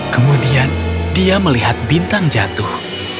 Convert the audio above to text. kemudian dia melihat bintang jatuh